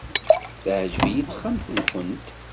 Teɛjeb-iyi texxamt-nwent.